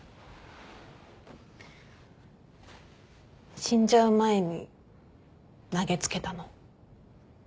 死んじゃう前に投げつけたの？